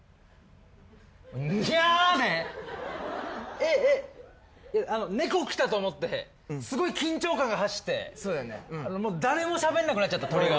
えっえっ猫来たと思ってすごい緊張感が走って誰もしゃべんなくなっちゃった鳥が。